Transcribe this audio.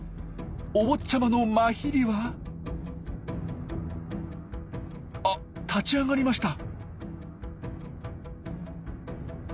お坊ちゃまのマヒリはあ立ち上がりました。